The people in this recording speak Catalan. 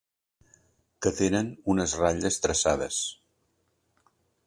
Que tenen unes ratlles traçades.